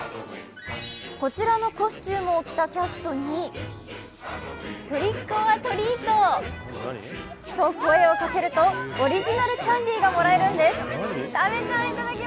こちらのコスチュームを着たキャストにと声をかけると、オリジナルキャンディーがもらえるんです。